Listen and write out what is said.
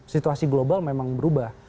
situasi global memang berubah